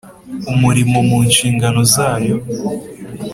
umurimo mu nshingano zayo